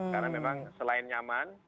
karena memang selain nyaman